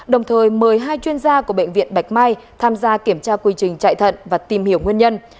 đồng thời mời hai chuyên gia của bệnh viện bạch mai tham gia kiểm tra quy trình chạy thận và tìm hiểu nguyên nhân